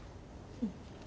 うん。